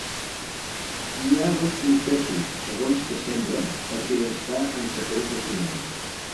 Hi ha dos confessos… segons que sembla, perquè està en secret de sumari.